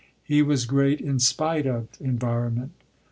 He was great in spite of environment.